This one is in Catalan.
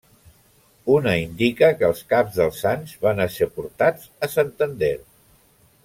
Una indica que els caps dels sants van ésser portats a Santander.